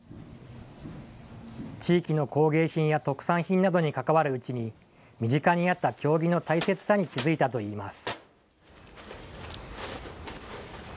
地域の工芸品や特産品などに関わるうちに、身近にあった経木の大切さに気付いたといいます。